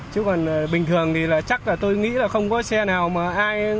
chứ còn bình thường thì là chắc là tôi nghĩ là không có xe nào mà ai